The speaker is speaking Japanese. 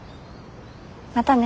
またね。